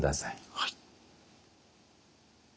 はい。